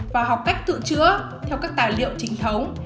và học cách tự chữa theo các tài liệu trinh thống